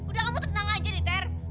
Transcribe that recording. udah kamu tenang aja nih ter